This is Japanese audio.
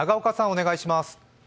お願いします。